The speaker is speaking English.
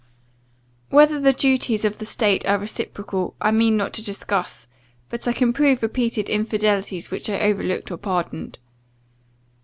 Whether the duties of the state are reciprocal, I mean not to discuss; but I can prove repeated infidelities which I overlooked or pardoned.